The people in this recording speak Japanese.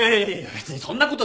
別にそんなことないし。